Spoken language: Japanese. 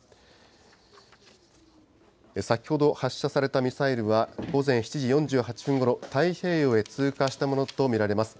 先ほど発射されたミサイルは、午前７時４８分ごろ、太平洋へ通過したものと見られます。